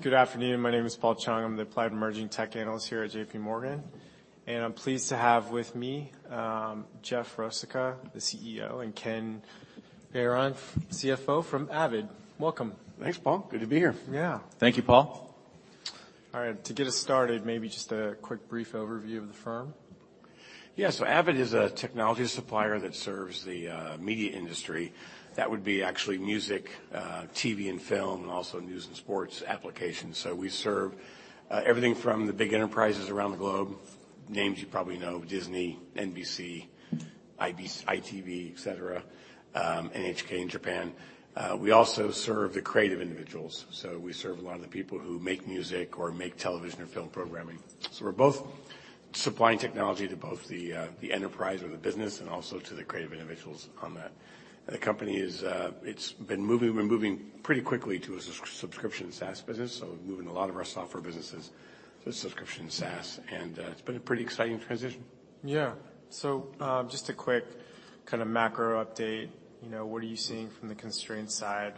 Good afternoon. My name is Paul Chung. I'm the applied emerging tech analyst here at JPMorgan. I'm pleased to have with me, Jeff Rosica, the CEO, and Ken Gayron, CFO from Avid. Welcome. Thanks, Paul. Good to be here. Yeah. Thank you, Paul. All right. To get us started, maybe just a quick brief overview of the firm. Avid is a technology supplier that serves the media industry. That would be actually music, TV and film, and also news and sports applications. We serve everything from the big enterprises around the globe, names you probably know, Disney, NBC, ITV, et cetera, NHK in Japan. We also serve the creative individuals, so we serve a lot of the people who make music or make television or film programming. We're both supplying technology to both the enterprise or the business and also to the creative individuals on that. The company is, it's been moving... We're moving pretty quickly to a sub-subscription SaaS business, we're moving a lot of our software businesses to subscription SaaS, and it's been a pretty exciting transition. Yeah. Just a quick kind of macro update, you know, what are you seeing from the constraint side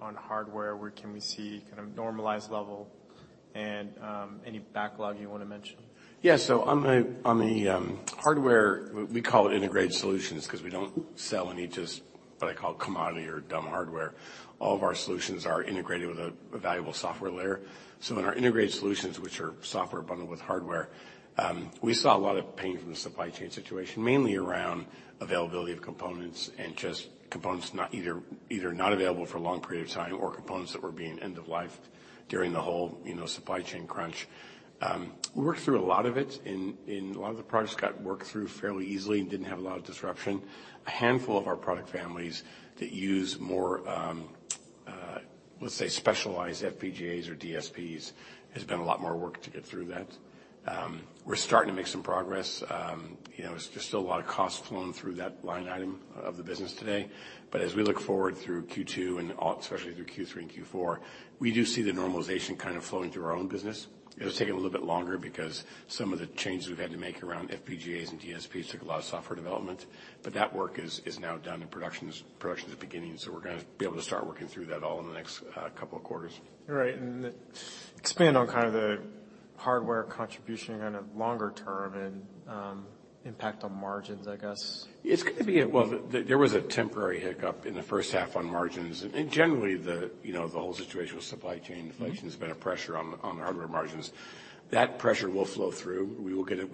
on hardware? Where can we see kind of normalized level and any backlog you wanna mention? Yeah. On the hardware, we call it integrated solutions 'cause we don't sell any just what I call commodity or dumb hardware. All of our solutions are integrated with a valuable software layer. In our integrated solutions, which are software bundled with hardware, we saw a lot of pain from the supply chain situation, mainly around availability of components and just components not available for a long period of time or components that were being end of life during the whole, you know, supply chain crunch. We worked through a lot of it. A lot of the products got worked through fairly easily and didn't have a lot of disruption. A handful of our product families that use more, let's say, specialized FPGAs or DSPs, has been a lot more work to get through that. We're starting to make some progress. You know, there's just still a lot of costs flowing through that line item of the business today. But as we look forward through Q2 and especially through Q3 and Q4, we do see the normalization kind of flowing through our own business. It was taking a little bit longer because some of the changes we've had to make around FPGAs and DSPs took a lot of software development. But that work is now done and production is beginning, so we're gonna be able to start working through that all in the next couple of quarters. Right. Expand on kind of the hardware contribution kind of longer term and impact on margins, I guess. It's gonna be. Well, there was a temporary hiccup in the first half on margins. Generally, the, you know, the whole situation with supply chain inflation has been a pressure on the hardware margins. That pressure will flow through. We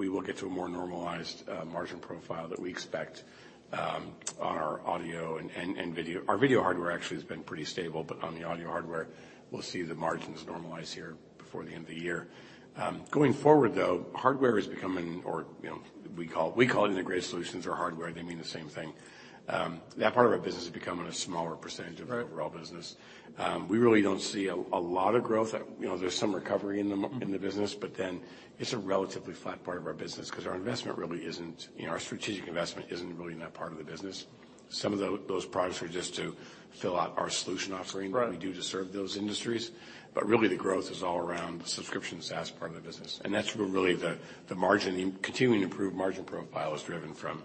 will get to a more normalized margin profile that we expect on our audio and video. Our video hardware actually has been pretty stable, but on the audio hardware, we'll see the margins normalize here before the end of the year. Going forward, though, hardware is becoming or, you know, we call it integrated solutions or hardware. They mean the same thing. That part of our business is becoming a smaller percentage. Right. of the overall business. We really don't see a lot of growth. You know, there's some recovery in the business, but then it's a relatively flat part of our business 'cause our investment really isn't, you know, our strategic investment isn't really in that part of the business. Some of those products are just to fill out our solution offering- Right. that we do to serve those industries. Really, the growth is all around the subscription SaaS part of the business. That's where really the margin, the continuing improved margin profile is driven from,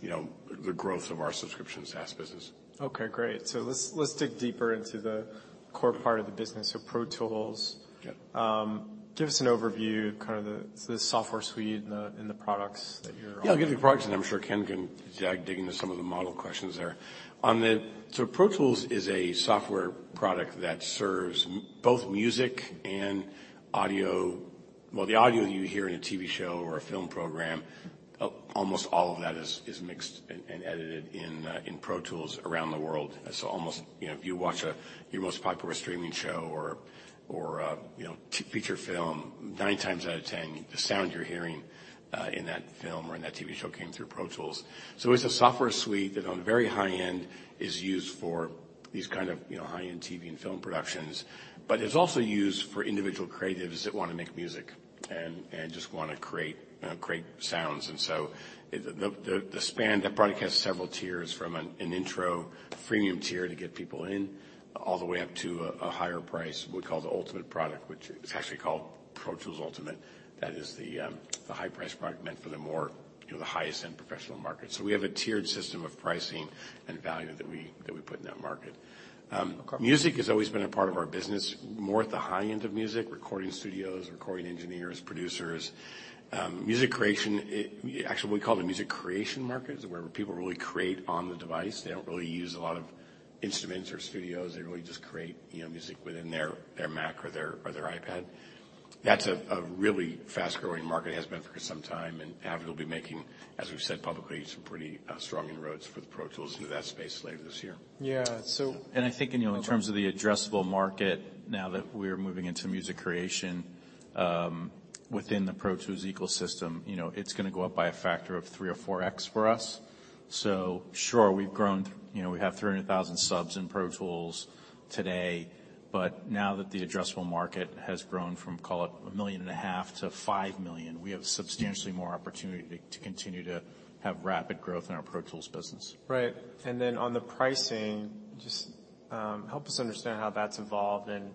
you know, the growth of our subscription SaaS business. Okay. Great. Let's dig deeper into the core part of the business, so Pro Tools. Okay. Give us an overview, kind of the software suite and the, and the products that you're-? Yeah. I'll give you the products, and I'm sure Ken can dig into some of the model questions there. Pro Tools is a software product that serves both music and audio. Well, the audio you hear in a TV show or a film program, almost all of that is mixed and edited in Pro Tools around the world. You know, if you watch a, your most popular streaming show or, you know, feature film, 9 times out of 10, the sound you're hearing in that film or in that TV show came through Pro Tools. It's a software suite that on the very high-end is used for these kind of, you know, high-end TV and film productions. It's also used for individual creatives that wanna make music and just wanna create sounds. The span, that product has several tiers, from an intro premium tier to get people in, all the way up to a higher price we call the ultimate product, which is actually called Pro Tools Ultimate. That is the high-priced product meant for the more, you know, the highest end professional market. We have a tiered system of pricing and value that we put in that market. Okay. Music has always been a part of our business, more at the high end of music, recording studios, recording engineers, producers. Music creation, actually, we call it the music creation markets, where people really create on the device. They don't really use a lot of instruments or studios. They really just create, you know, music within their Mac or their iPad. That's a really fast-growing market, has been for some time, and Avid will be making, as we've said publicly, some pretty strong inroads for the Pro Tools into that space later this years Yeah. I think, you know, in terms of the addressable market now that we're moving into music creation, within the Pro Tools ecosystem, you know, it's gonna go up by a factor of 3x or 4x for us. Sure, we've grown. You know, we have 300,000 subs in Pro Tools today, but now that the addressable market has grown from, call it $1.5 million to $5 million, we have substantially more opportunity to continue to have rapid growth in our Pro Tools business. Right. On the pricing, just, help us understand how that's evolved and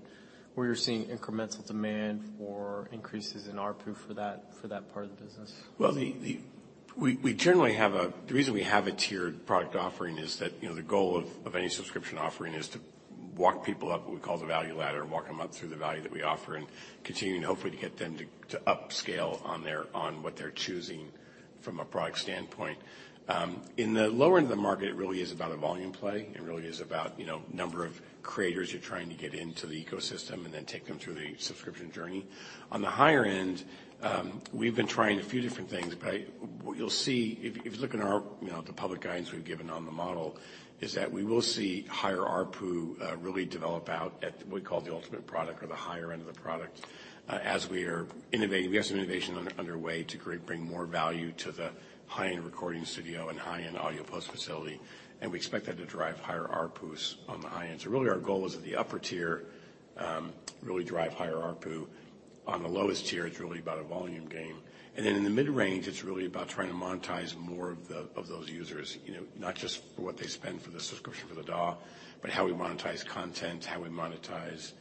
where you're seeing incremental demand for increases in ARPU for that part of the business. Well, we generally have The reason we have a tiered product offering is that, you know, the goal of any subscription offering is to walk people up what we call the value ladder, and walk them up through the value that we offer and continue to hopefully get them to upscale on what they're choosing from a product standpoint. In the lower end of the market, it really is about a volume play. It really is about, you know, number of creators you're trying to get into the ecosystem and then take them through the subscription journey. On the higher end, we've been trying a few different things. What you'll see if you look in our, you know, the public guidance we've given on the model, is that we will see higher ARPU, really develop out at what we call the ultimate product or the higher end of the product, as we are innovating. We have some innovation under way to bring more value to the high-end recording studio and high-end audio post facility, and we expect that to drive higher ARPUs on the high end. Really our goal is at the upper tier, really drive higher ARPU. On the lowest tier, it's really about a volume game. Then in the mid-range, it's really about trying to monetize more of those users. You know, not just for what they spend for the subscription for the DAW, but how we monetize content, how we monetize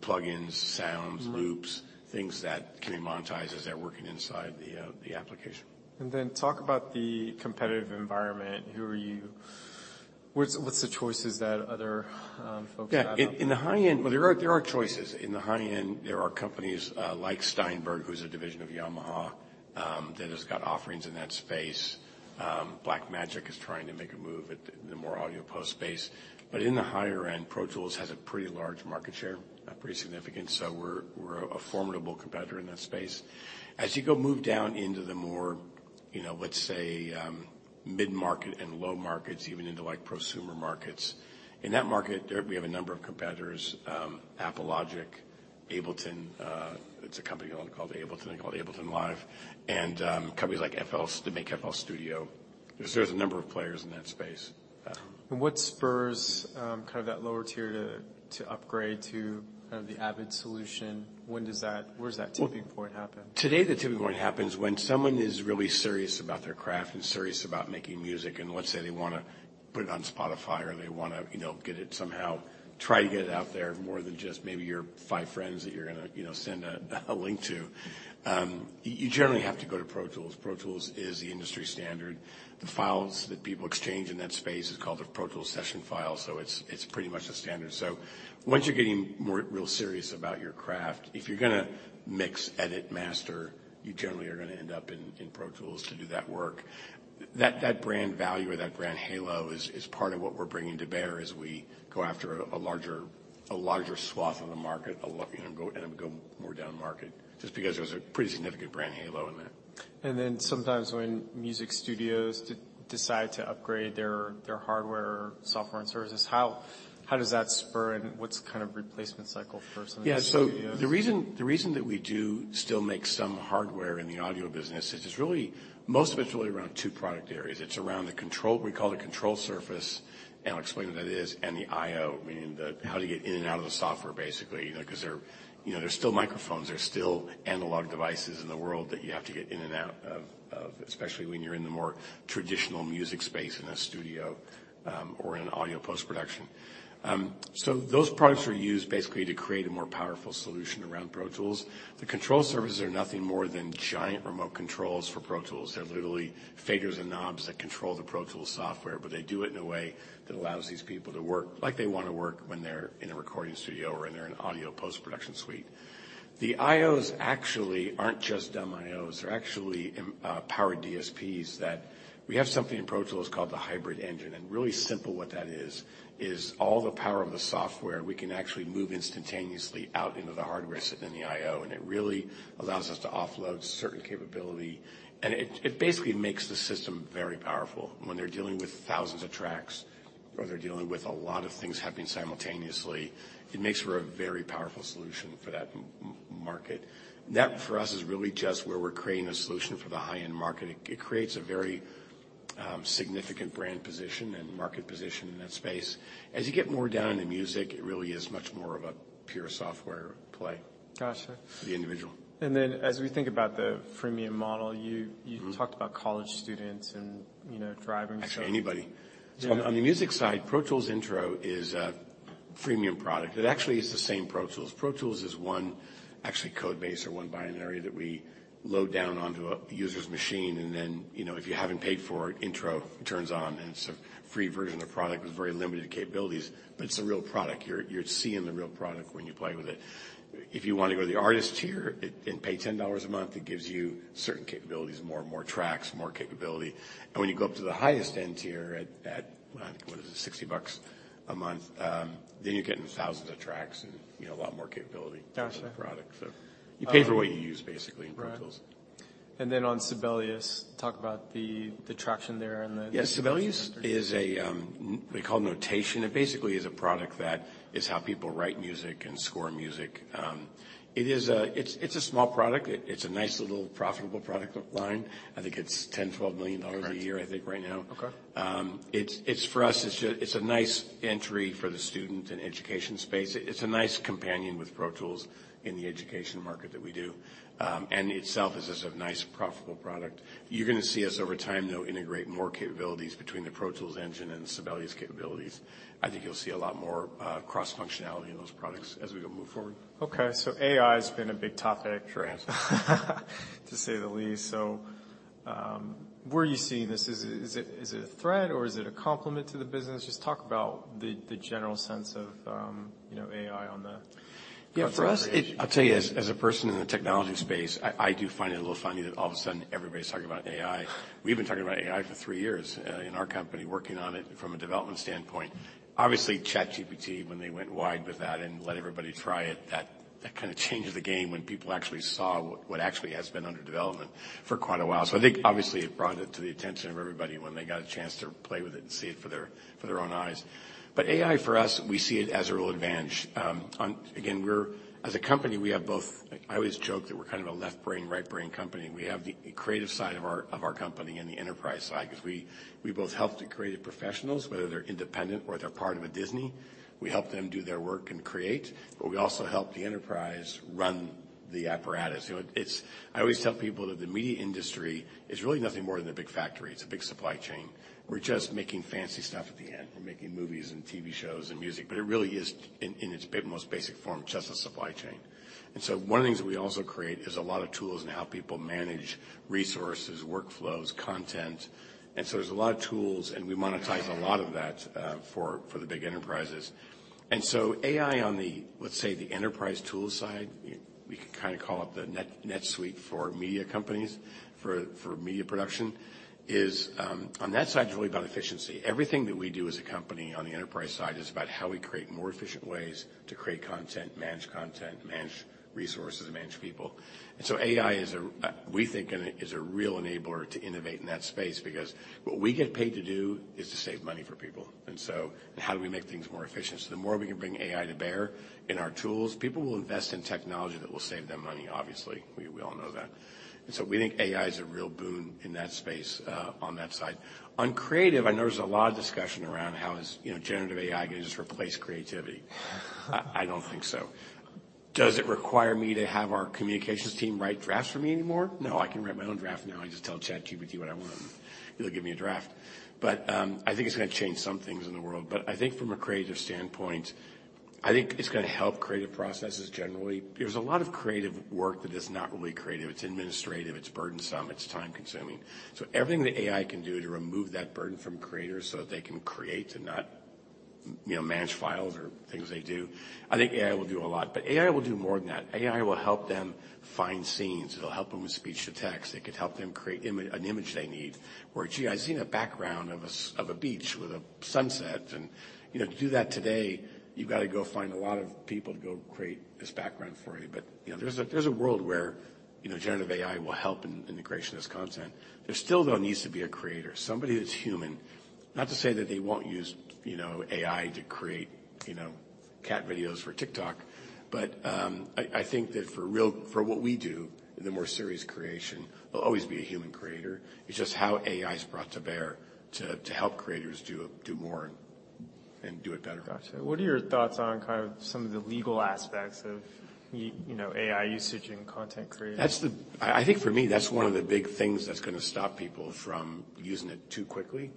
plug-ins, sounds. Mm-hmm. -loops, things that can be monetized as they're working inside the application. Talk about the competitive environment. Who are you? What's the choices that other, folks have out there? Yeah. In the high end, well, there are choices. In the high end, there are companies, like Steinberg, who's a division of Yamaha, that has got offerings in that space. Blackmagic is trying to make a move at the more audio post space. In the higher end, Pro Tools has a pretty large market share, pretty significant, so we're a formidable competitor in that space. As you go move down into the more, you know, let's say, mid-market and low markets, even into like prosumer markets, in that market there we have a number of competitors, Apogee, Ableton, it's a company owned called Ableton. They're called Ableton Live. Companies like FL, that make FL Studio. There's a number of players in that space. What spurs kind of that lower tier to upgrade to kind of the Avid solution? Where does that tipping point happen? Well, today, the tipping point happens when someone is really serious about their craft and serious about making music, and let's say they wanna put it on Spotify or they wanna, you know, get it somehow, try to get it out there more than just maybe your five friends that you're gonna, you know, send a link to. You generally have to go to Pro Tools. Pro Tools is the industry standard. The files that people exchange in that space is called a Pro Tools session file, so it's pretty much the standard. Once you're getting more real serious about your craft, if you're gonna mix, edit, master, you generally are gonna end up in Pro Tools to do that work. That brand value or that brand halo is part of what we're bringing to bear as we go after a larger swath of the market, you know, go more down market, just because there's a pretty significant brand halo in that. Sometimes when music studios decide to upgrade their hardware, software, and services, how does that spur and what's the kind of replacement cycle for some of these studios? Yeah. The reason that we do still make some hardware in the audio business is it's really, most of it's really around two product areas. It's around the control, we call it the control surface, and I'll explain what that is, and the IO, meaning the how to get in and out of the software, basically. You know, 'cause there are, you know, there's still microphones, there's still analog devices in the world that you have to get in and out of, especially when you're in the more traditional music space in a studio, or in audio post-production. Those products are used basically to create a more powerful solution around Pro Tools. The control surfaces are nothing more than giant remote controls for Pro Tools. They're literally faders and knobs that control the Pro Tools software, but they do it in a way that allows these people to work like they wanna work when they're in a recording studio or in their an audio post-production suite. The IOs actually aren't just dumb IOs. They're actually powered DSPs that we have something in Pro Tools called the Hybrid Engine. Really simple what that is all the power of the software, we can actually move instantaneously out into the hardware sit in the IO, and it really allows us to offload certain capability. It basically makes the system very powerful. When they're dealing with thousands of tracks or they're dealing with a lot of things happening simultaneously, it makes for a very powerful solution for that market. That, for us, is really just where we're creating a solution for the high-end market. It creates a very significant brand position and market position in that space. As you get more down into music, it really is much more of a pure software play. Gotcha. for the individual. As we think about the freemium model. Mm-hmm. you talked about college students and, you know, driving- Actually, anybody. Yeah. On the music side, Pro Tools Intro is a freemium product. It actually is the same Pro Tools. Pro Tools is one actually code base or one binary that we load down onto a user's machine and then, you know, if you haven't paid for it, Intro turns on, and it's a free version of the product with very limited capabilities. It's the real product. You're seeing the real product when you play with it. If you wanna go to the Artist tier it, and pay $10 a month, it gives you certain capabilities, more and more tracks, more capability. When you go up to the highest end tier at, what is it, $60 a month, then you're getting thousands of tracks and, you know, a lot more capability. Gotcha. with the product. You pay for what you use basically in Pro Tools. Right. Then on Sibelius, talk about the traction there. Yeah. Sibelius is a, we call notation. It basically is a product that is how people write music and score music. It's a small product. It's a nice little profitable product line. I think it's $10 million-$12 million a year. Right. I think right now. Okay. It's for us, it's just, it's a nice entry for the student and education space. It's a nice companion with Pro Tools in the education market that we do. Itself is just a nice profitable product. You're gonna see us over time, though, integrate more capabilities between the Pro Tools engine and Sibelius capabilities. I think you'll see a lot more cross-functionality in those products as we move forward. Okay. AI's been a big topic- Sure. To say the least. Where are you seeing this? Is it a threat or is it a complement to the business? Just talk about the general sense of, you know, AI on the. Yeah. For us, it- Content creation. I'll tell you, as a person in the technology space, I do find it a little funny that all of a sudden everybody's talking about AI. We've been talking about AI for three years in our company, working on it from a development standpoint. Obviously, ChatGPT, when they went wide with that and let everybody try it, that kind of changed the game when people actually saw what actually has been under development for quite a while. I think obviously it brought it to the attention of everybody when they got a chance to play with it and see it for their own eyes. AI for us, we see it as a real advantage. Again, as a company, we have both. I always joke that we're kind of a left brain, right brain company. We have the creative side of our company and the enterprise side, cause we both help the creative professionals, whether they're independent or if they're part of a Disney. We help them do their work and create, but we also help the enterprise run the apparatus. You know, I always tell people that the media industry is really nothing more than a big factory. It's a big supply chain. We're just making fancy stuff at the end. We're making movies and TV shows and music, but it really is in its most basic form, just a supply chain. One of the things we also create is a lot of tools in how people manage resources, workflows, content, and so there's a lot of tools, and we monetize a lot of that for the big enterprises. AI on the, let's say, the enterprise tools side, we can kinda call it the NetSuite for media companies for media production, is on that side it's really about efficiency. Everything that we do as a company on the enterprise side is about how we create more efficient ways to create content, manage content, manage resources, and manage people. AI is a, we think is a real enabler to innovate in that space because what we get paid to do is to save money for people. How do we make things more efficient? The more we can bring AI to bear in our tools, people will invest in technology that will save them money, obviously. We all know that. We think AI is a real boon in that space on that side. On creative, I know there's a lot of discussion around how is, you know, generative AI gonna just replace creativity. I don't think so. Does it require me to have our communications team write drafts for me anymore? No, I can write my own draft now. I just tell ChatGPT what I want, and it'll give me a draft. I think it's gonna change some things in the world, but I think from a creative standpoint, I think it's gonna help creative processes generally. There's a lot of creative work that is not really creative. It's administrative, it's burdensome, it's time-consuming. Everything that AI can do to remove that burden from creators so that they can create and not, you know, manage files or things they do, I think AI will do a lot. AI will do more than that. AI will help them find scenes. It'll help them with speech-to-text. It could help them create an image they need. Where, "Gee, I've seen a background of a beach with a sunset," and, you know, to do that today, you've gotta go find a lot of people to go create this background for you. You know, there's a, there's a world where, you know, generative AI will help in the creation of this content. There still, though, needs to be a creator, somebody that's human. Not to say that they won't use, you know, AI to create, you know, cat videos for TikTok, but, I think that for what we do in the more serious creation, there'll always be a human creator. It's just how AI is brought to bear to help creators do more and do it better. Gotcha. What are your thoughts on kind of some of the legal aspects of you know, AI usage in content creation? I think for me, that's one of the big things that's gonna stop people from using it too quickly,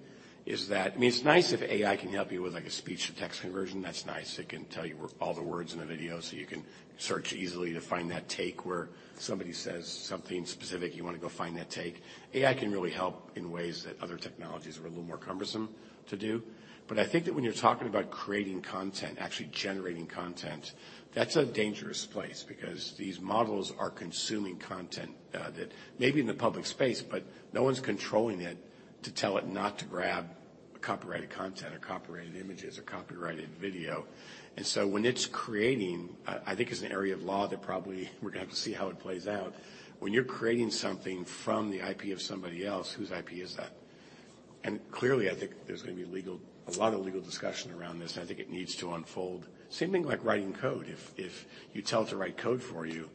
is that. I mean, it's nice if AI can help you with, like, a speech-to-text conversion. That's nice. It can tell you where all the words in a video so you can search easily to find that take where somebody says something specific. You wanna go find that take. AI can really help in ways that other technologies are a little more cumbersome to do. I think that when you're talking about creating content, actually generating content, that's a dangerous place because these models are consuming content that may be in the public space, but no one's controlling it to tell it not to grab copyrighted content or copyrighted images or copyrighted video. When it's creating, I think it's an area of law that probably we're gonna have to see how it plays out. When you're creating something from the IP of somebody else, whose IP is that? Clearly, I think there's gonna be a lot of legal discussion around this, and I think it needs to unfold. Same thing like writing code. If you tell it to write code for you,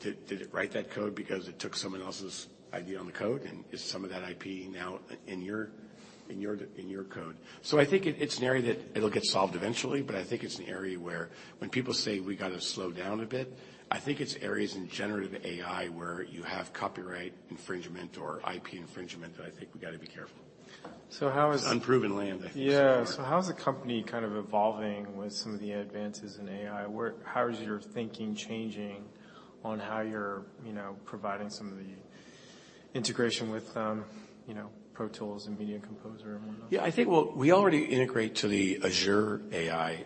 did it write that code because it took someone else's idea on the code? Is some of that IP now in your code? I think it's an area that it'll get solved eventually, but I think it's an area where when people say we gotta slow down a bit, I think it's areas in generative AI where you have copyright infringement or IP infringement that I think we gotta be careful. So how is- It's unproven land, I think so far. Yeah. How is the company kind of evolving with some of the advances in AI? How is your thinking changing on how you're, you know, providing some of the integration with, you know, Pro Tools and Media Composer and what not? I think we already integrate to the Azure AI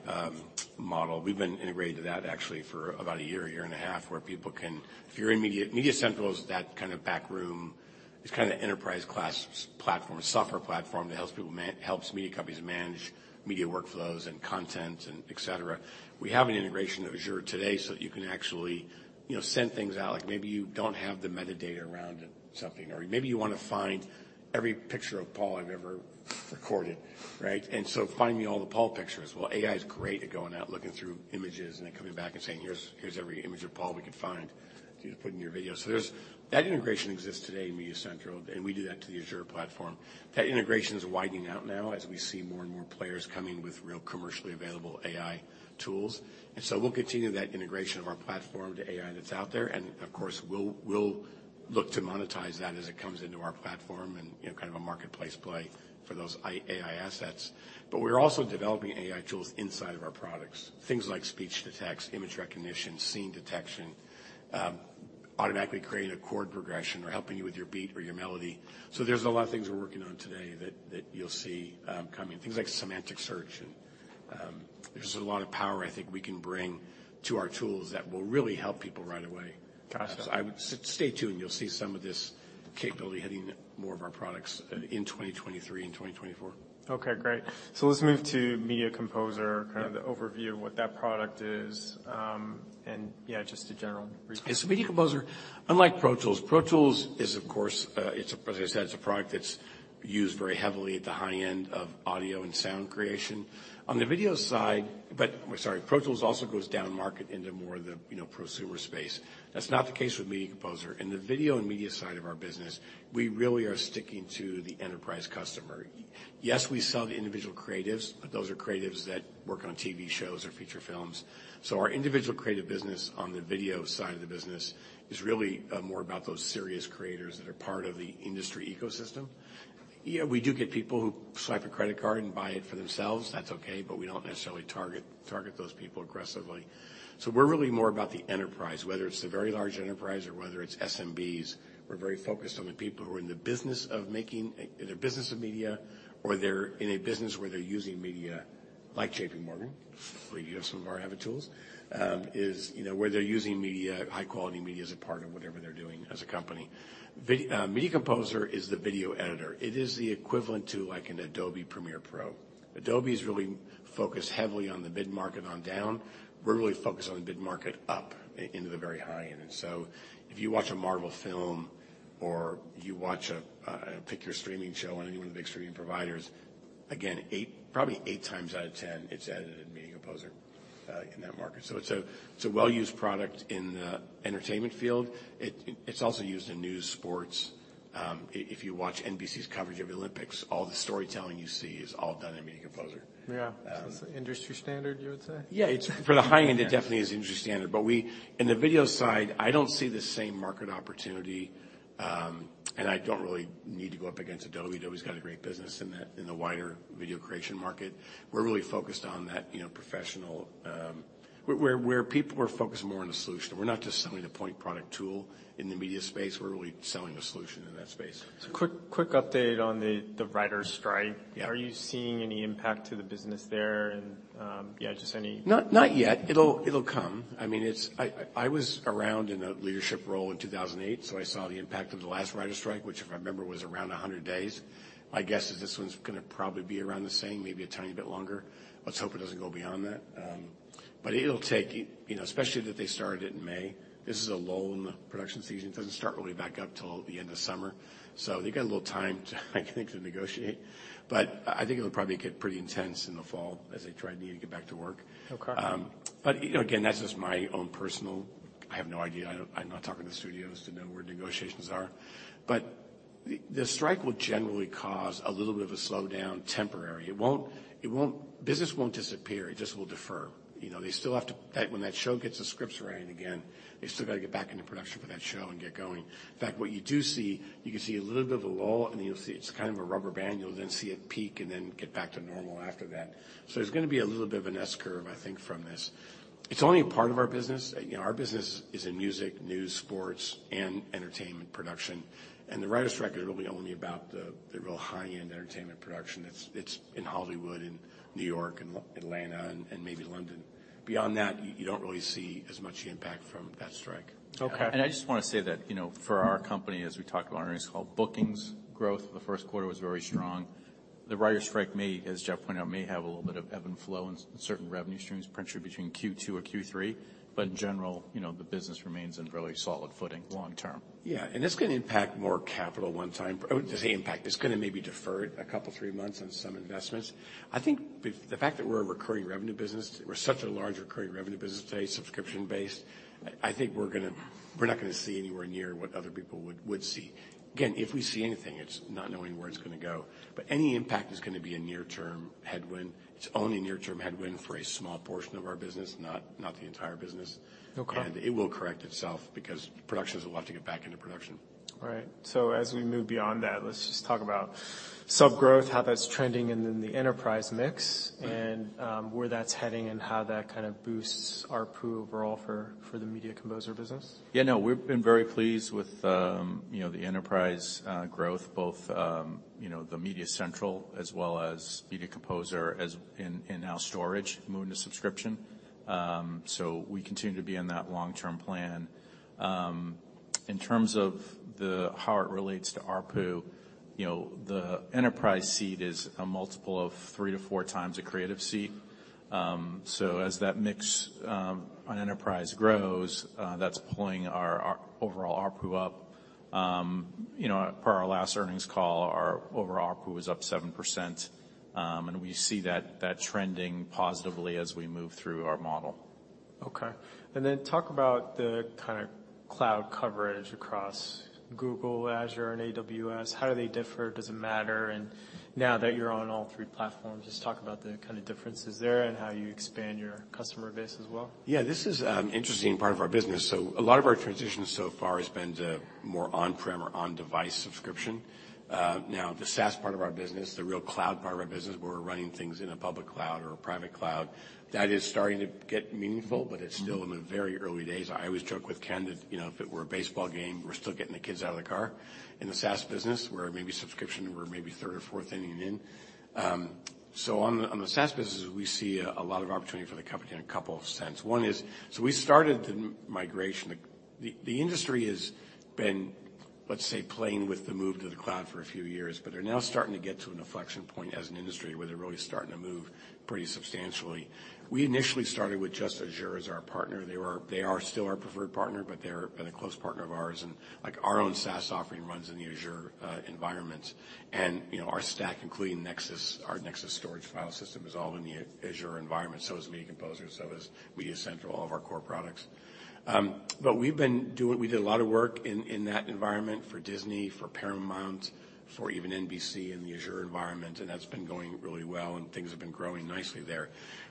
model. We've been integrated to that actually for about a year, a year and a half, where people can. If you're in MediaCentral is that kind of back room. It's kind of enterprise class platform, software platform that helps media companies manage media workflows and content and et cetera. We have an integration of Azure today, you can actually, you know, send things out. Like maybe you don't have the metadata around something, or maybe you wanna find every picture of Paul I've ever recorded, right? Find me all the Paul pictures. Well, AI is great at going out, looking through images, and then coming back and saying, "Here's every image of Paul we could find for you to put in your video." There's. That integration exists today in MediaCentral, and we do that to the Azure platform. That integration is widening out now as we see more and more players coming with real commercially available AI tools. We'll continue that integration of our platform to AI that's out there and, of course, we'll look to monetize that as it comes into our platform and, you know, kind of a marketplace play for those AI assets. We're also developing AI tools inside of our products. Things like speech-to-text, image recognition, scene detection, automatically creating a chord progression or helping you with your beat or your melody. There's a lot of things we're working on today that you'll see coming. Things like semantic search and, there's a lot of power I think we can bring to our tools that will really help people right away. Gotcha. I would stay tuned. You'll see some of this capability hitting more of our products in 2023 and 2024. Okay. Great. Let's move to Media Composer. Yeah. Kind of the overview of what that product is. Yeah, just a general brief. Yes. Media Composer, unlike Pro Tools, Pro Tools is, of course, it's, as I said, it's a product that's used very heavily at the high end of audio and sound creation. On the video side. I'm sorry, Pro Tools also goes downmarket into more the, you know, prosumer space. That's not the case with Media Composer. In the video and media side of our business, we really are sticking to the enterprise customer. Yes, we sell to individual creatives, but those are creatives that work on TV shows or feature films. Our individual creative business on the video side of the business is really more about those serious creators that are part of the industry ecosystem. Yeah, we do get people who swipe a credit card and buy it for themselves. That's okay, but we don't necessarily target those people aggressively. We're really more about the enterprise, whether it's the very large enterprise or whether it's SMBs. We're very focused on the people who are in the business of making, in a business of media, or they're in a business where they're using media, like JPMorgan, where you have some of our Avid tools, you know, where they're using media, high quality media as a part of whatever they're doing as a company. Media Composer is the video editor. It is the equivalent to like an Adobe Premiere Pro. Adobe is really focused heavily on the mid-market on down. We're really focused on the mid-market up into the very high-end. If you watch a Marvel film or you watch a pick your streaming show on any one of the big streaming providers, again, eight, probably eight times out of 10, it's edited in Media Composer in that market. It's a well-used product in the entertainment field. It's also used in news, sports. If you watch NBC's coverage of Olympics, all the storytelling you see is all done in Media Composer. Yeah. Um- It's the industry standard, you would say? Yeah, it's, for the high-end, it definitely is industry standard. In the video side, I don't see the same market opportunity. I don't really need to go up against Adobe. Adobe's got a great business in the, in the wider video creation market. We're really focused on that, you know, professional, where people are focused more on the solution. We're not just selling a point product tool in the media space. We're really selling a solution in that space. Quick update on the writers' strike. Yeah. Are you seeing any impact to the business there and, yeah, just? Not yet. It'll come. I mean, I was around in a leadership role in 2008, so I saw the impact of the last writers' strike, which if I remember, was around 100 days. My guess is this one's gonna probably be around the same, maybe a tiny bit longer. Let's hope it doesn't go beyond that. It'll take, you know, especially that they started it in May, this is a lull in the production season. It doesn't start really back up till the end of summer. They got a little time to, I think, to negotiate. I think it'll probably get pretty intense in the fall as they try and need to get back to work. Okay. You know, again, that's just my own personal... I have no idea. I don't, I'm not talking to studios to know where negotiations are. The strike will generally cause a little bit of a slowdown temporary. Business won't disappear. It just will defer. You know, they still have to, when that show gets the scripts writing again, they still gotta get back into production for that show and get going. In fact, what you do see, you can see a little bit of a lull, and you'll see it's kind of a rubber band. You'll then see it peak and then get back to normal after that. There's gonna be a little bit of an S-curve, I think, from this. It's only a part of our business. You know, our business is in music, news, sports, and entertainment production. The writers' strike, it'll be only about the real high-end entertainment production. It's in Hollywood and New York and Atlanta and maybe London. Beyond that, you don't really see as much impact from that strike. Okay. I just wanna say that, you know, for our company, as we talked about on earnings call, bookings growth for the first quarter was very strong. The writers' strike may, as Jeff pointed out, may have a little bit of ebb and flow in certain revenue streams, potentially between Q2 or Q3. In general, you know, the business remains in really solid footing long term. Yeah. It's gonna impact more capital one time. I wouldn't say impact. It's gonna maybe defer it a couple, three months on some investments. I think the fact that we're a recurring revenue business, we're such a large recurring revenue business today, subscription-based, I think we're not gonna see anywhere near what other people would see. Again, if we see anything, it's not knowing where it's gonna go. Any impact is gonna be a near-term headwind. It's only a near-term headwind for a small portion of our business, not the entire business. Okay. It will correct itself because productions will have to get back into production. All right. As we move beyond that, let's just talk about sub growth, how that's trending, and then the enterprise mix- Yeah Where that's heading and how that kind of boosts ARPU overall for the Media Composer business. Yeah, no, we've been very pleased with, you know, the enterprise growth, both, you know, the MediaCentral as well as Media Composer as in now storage moving to subscription. We continue to be in that long-term plan. In terms of the how it relates to ARPU, you know, the enterprise seat is a multiple of three to four times a creative seat. As that mix on enterprise grows, that's pulling our overall ARPU up. You know, per our last earnings call, our overall ARPU was up 7%, and we see that trending positively as we move through our model. Okay. Then talk about the kinda cloud coverage across Google, Azure, and AWS. How do they differ? Does it matter? Now that you're on all three platforms, just talk about the kinda differences there and how you expand your customer base as well. Yeah. This is interesting part of our business. A lot of our transition so far has been to more on-prem or on-device subscription. Now the SaaS part of our business, the real cloud part of our business where we're running things in a public cloud or a private cloud. That is starting to get meaningful, but it's still in the very early days. I always joke with Ken that, you know, if it were a baseball game, we're still getting the kids out of the car. In the SaaS business, we're maybe subscription, we're maybe third or fourth inning in. On the SaaS business, we see a lot of opportunity for the company in a couple of sense. One is, we started the migration. The industry has been, let's say, playing with the move to the cloud for a few years, but they're now starting to get to an inflection point as an industry where they're really starting to move pretty substantially. We initially started with just Azure as our partner. They are still our preferred partner, but they're been a close partner of ours, like our own SaaS offering runs in the Azure environment. You know, our stack, including NEXIS, our NEXIS storage file system is all in the Azure environment, so is Media Composer, so is MediaCentral, all of our core products. But we did a lot of work in that environment for Disney, for Paramount, for even NBC in the Azure environment, and that's been going really well and things have been growing nicely there.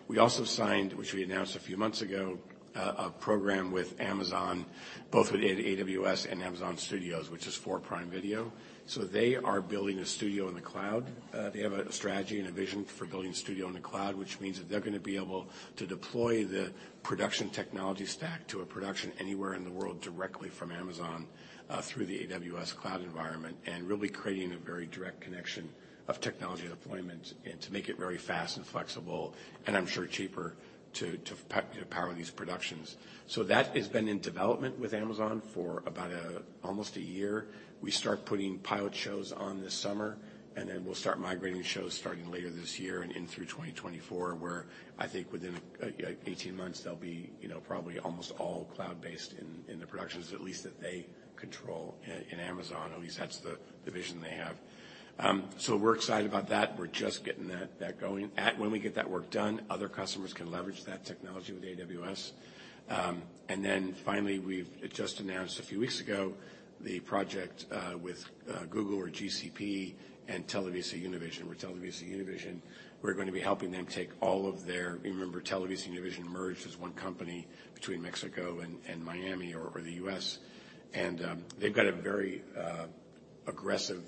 We also signed, which we announced a few months ago, a program with Amazon, both with AWS and Amazon Studios, which is for Prime Video. They are building a studio in the cloud. They have a strategy and a vision for building a studio in the cloud, which means that they're going to be able to deploy the production technology stack to a production anywhere in the world directly from Amazon, through the AWS cloud environment, and really creating a very direct connection of technology deployment and to make it very fast and flexible, and I'm sure cheaper to power these productions. That has been in development with Amazon for about almost a year. We start putting pilot shows on this summer. Then we'll start migrating shows starting later this year and in through 2024, where I think within 18 months, they'll be, you know, probably almost all cloud-based in the productions at least that they control in Amazon. At least that's the vision they have. We're excited about that. We're just getting that going. When we get that work done, other customers can leverage that technology with AWS. Then finally, we've just announced a few weeks ago the project with Google or GCP and TelevisaUnivision, where TelevisaUnivision, we're gonna be helping them take all of their. You remember TelevisaUnivision merged as one company between Mexico and Miami or the U.S. They've got a very aggressive,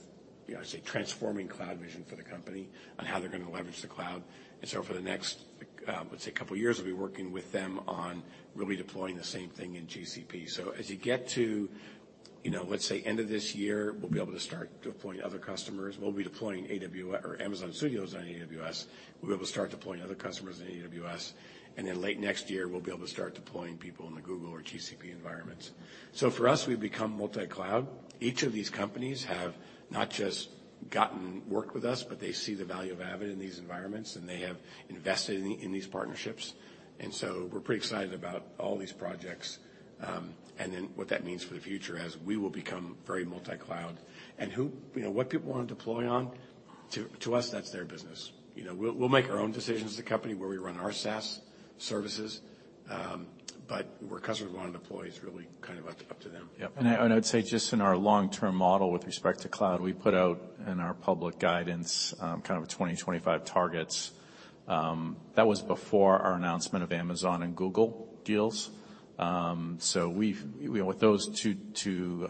you know, say transforming cloud vision for the company on how they're gonna leverage the cloud. For the next, let's say couple years, we'll be working with them on really deploying the same thing in GCP. As you get to, you know, let's say end of this year, we'll be able to start deploying other customers. We'll be deploying Amazon Studios on AWS. We'll be able to start deploying other customers in AWS. Late next year, we'll be able to start deploying people in the Google or GCP environments. For us, we've become multi-cloud. Each of these companies have not just gotten work with us, but they see the value of Avid in these environments, and they have invested in these partnerships. We're pretty excited about all these projects, and then what that means for the future as we will become very multi-cloud. Who, you know, what people wanna deploy on, to us, that's their business. You know, we'll make our own decisions as a company where we run our SaaS services. Where customers wanna deploy is really kind of up to, up to them. Yeah. I'd say just in our long-term model with respect to cloud, we put out in our public guidance, kind of a 2025 targets. That was before our announcement of Amazon and Google deals. We've, you know, with those two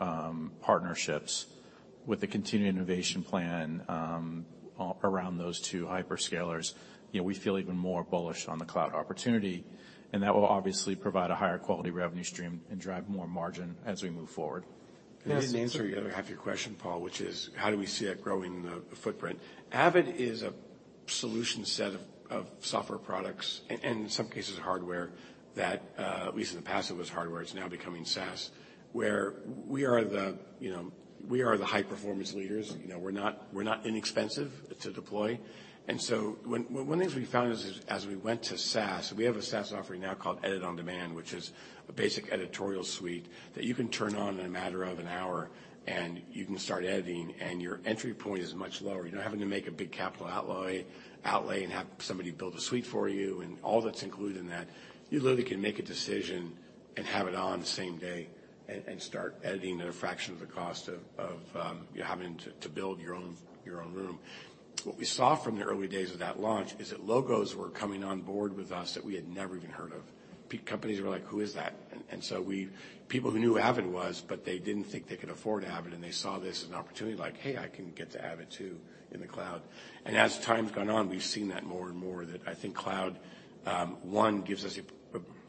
partnerships with the continued innovation plan, around those two hyperscalers, you know, we feel even more bullish on the cloud opportunity, and that will obviously provide a higher quality revenue stream and drive more margin as we move forward. I didn't answer the other half of your question, Paul, which is how do we see it growing the footprint? Avid is a solution set of software products and some cases hardware that, at least in the past it was hardware, it's now becoming SaaS, where we are the, you know, we are the high performance leaders. You know, we're not, we're not inexpensive to deploy. One of the things we found as we went to SaaS, we have a SaaS offering now called Edit On Demand, which is a basic editorial suite that you can turn on in a matter of an hour and you can start editing, and your entry point is much lower. You're not having to make a big capital outlay and have somebody build a suite for you and all that's included in that. You literally can make a decision and have it on the same day and start editing at a fraction of the cost of you having to build your own room. What we saw from the early days of that launch is that logos were coming on board with us that we had never even heard of. Companies were like, "Who is that?" So people who knew who Avid was, but they didn't think they could afford Avid, and they saw this as an opportunity like, "Hey, I can get to Avid too in the cloud." As time's gone on, we've seen that more and more that I think cloud, one, gives us an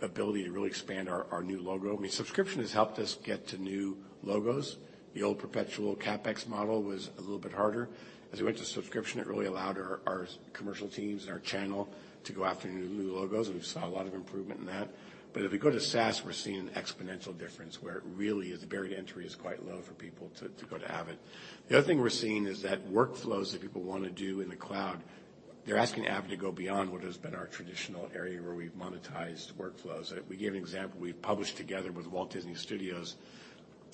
ability to really expand our new logo. I mean, subscription has helped us get to new logos. The old perpetual CapEx model was a little bit harder. As we went to subscription, it really allowed our commercial teams and our channel to go after new logos. We saw a lot of improvement in that. If we go to SaaS, we're seeing an exponential difference where it really is, the barrier to entry is quite low for people to go to Avid. The other thing we're seeing is that workflows that people wanna do in the cloud, they're asking Avid to go beyond what has been our traditional area where we've monetized workflows. We gave an example. We published together with Walt Disney Studios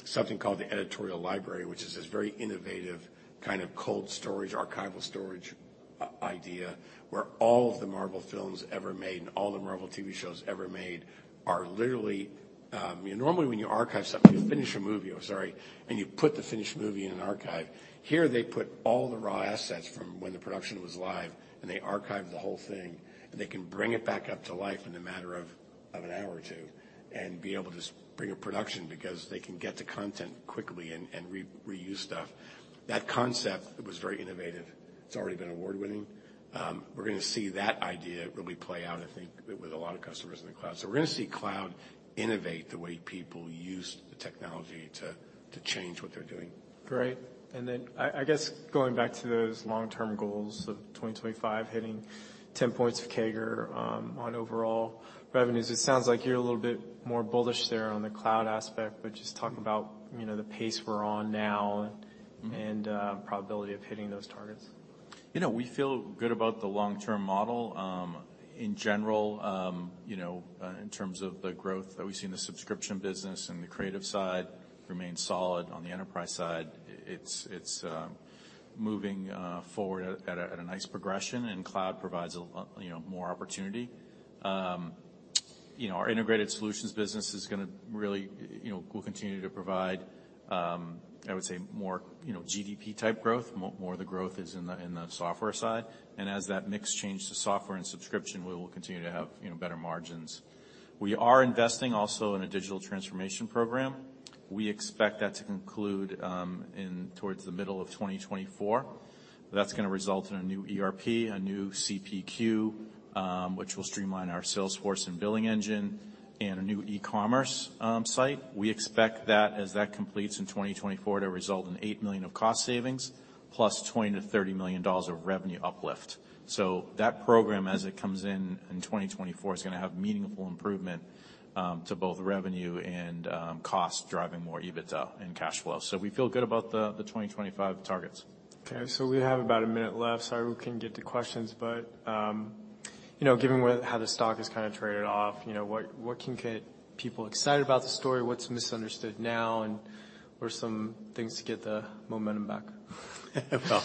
something called the Editorial Library, which is this very innovative kind of cold storage, archival storage idea where all of the Marvel films ever made and all the Marvel TV shows ever made are literally. Normally, when you archive something, you finish a movie, oh, sorry, and you put the finished movie in an archive. Here, they put all the raw assets from when the production was live, and they archive the whole thing, and they can bring it back up to life in a matter of an hour or two and be able to bring a production because they can get the content quickly and reuse stuff. That concept was very innovative. It's already been award-winning. We're gonna see that idea really play out, I think, with a lot of customers in the cloud. We're gonna see cloud innovate the way people use the technology to change what they're doing. Great. I guess going back to those long-term goals of 2025 hitting 10 points of CAGR on overall revenues, it sounds like you're a little bit more bullish there on the cloud aspect, but just talk about, you know, the pace we're on now and probability of hitting those targets. You know, we feel good about the long-term model. In general, you know, in terms of the growth that we've seen, the subscription business and the creative side remain solid on the enterprise side. It's moving forward at a nice progression, cloud provides a you know, more opportunity. You know, our integrated solutions business is gonna really, you know, will continue to provide, I would say more, you know, GDP-type growth. More of the growth is in the software side. As that mix changes to software and subscription, we will continue to have, you know, better margins. We are investing also in a digital transformation program. We expect that to conclude in towards the middle of 2024. That's gonna result in a new ERP, a new CPQ, which will streamline our sales force and billing engine and a new e-commerce site. We expect that as that completes in 2024 to result in $8 million of cost savings, +$20 million to $30 million of revenue uplift. That program, as it comes in in 2024, is gonna have meaningful improvement to both revenue and cost, driving more EBITDA and cash flow. We feel good about the 2025 targets. We have about a minute left, so I hope we can get to questions, but, you know, given with how the stock has kind of traded off, you know, what can get people excited about the story? What's misunderstood now, and what are some things to get the momentum back? Well,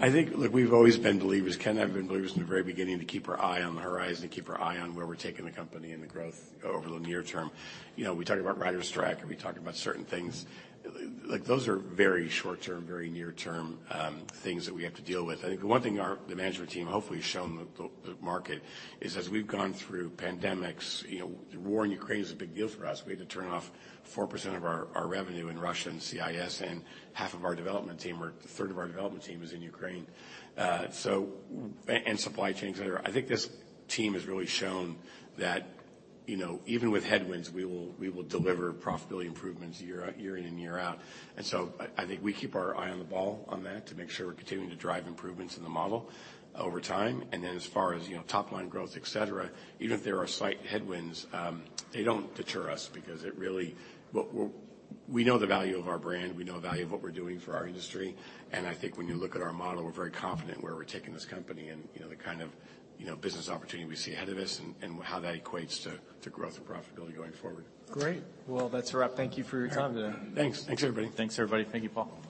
I think, look, we've always been believers. Ken and I have been believers from the very beginning to keep our eye on the horizon, to keep our eye on where we're taking the company and the growth over the near term. You know, we talk about writers strike, we talk about certain things. Like, those are very short-term, very near-term things that we have to deal with. I think the one thing the management team hopefully has shown the market is as we've gone through pandemics, you know, the war in Ukraine is a big deal for us. We had to turn off 4% of our revenue in Russia and CIS half of our development team or a third of our development team is in Ukraine. Supply chains, et cetera. I think this team has really shown that, you know, even with headwinds, we will deliver profitability improvements year in, year out. I think we keep our eye on the ball on that to make sure we're continuing to drive improvements in the model over time. As far as, you know, top-line growth, et cetera, even if there are slight headwinds, they don't deter us because it really. We know the value of our brand, we know the value of what we're doing for our industry, and I think when you look at our model, we're very confident where we're taking this company and, you know, the kind of, you know, business opportunity we see ahead of us and how that equates to growth and profitability going forward. Great. Well, that's a wrap. Thank you for your time today. Thanks. Thanks, everybody. Thanks, everybody. Thank you, Paul.